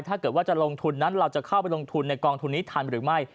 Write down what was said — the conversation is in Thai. ถ้าเกิดว่าจะลงทุนนั้นเราจะเข้าไปลงทุนในกองทุนนี้ทันหรือไม่